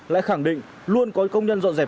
lại khẳng định luôn có công nhân dọn dẹp